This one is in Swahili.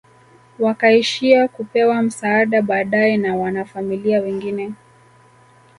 Wakaishia kupewa msaada baadae na wanafamilia wengine